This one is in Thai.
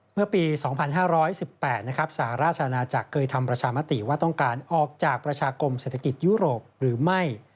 เมื่อปี๒๕๑๘สหราชอาณาจักรเคยทำประชามติว่าต้องการออกจากประชากรมเศรษฐกิจยุโรปหรือไม่